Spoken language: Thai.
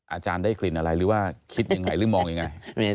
อาจารย์ได้กลิ่นอะไรหรือว่าคิดยังไงหรือมองยังไง